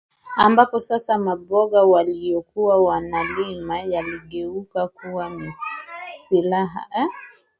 ambapo sasa maboga waliyokuwa wanalima yaligeuka kuwa silaha